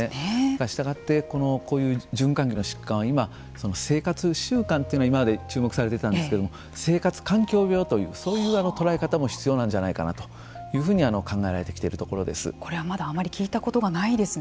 したがってこういう循環器の疾患今まで生活習慣というのは今まで注目されてきたんですけど生活環境病というそういう捉え方も必要なんじゃないかなというふうにこれは、まだあまり聞いたことがないですね。